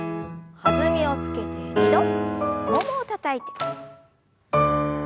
弾みをつけて２度ももをたたいて。